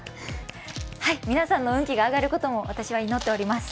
皆さんの運気が上がることも私は祈っております。